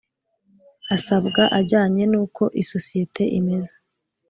asabwa ajyanye n uko isosiyete imeze